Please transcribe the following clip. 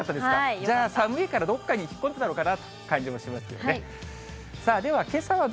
じゃあ、寒いから、どっかに引っ越したのかなという感じもしますけど。